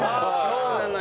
そうなのよ。